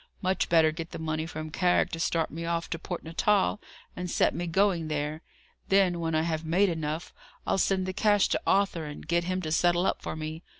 Much better get the money from Carrick to start me off to Port Natal, and set me going there. Then, when I have made enough, I'll send the cash to Arthur, and get him to settle up for me.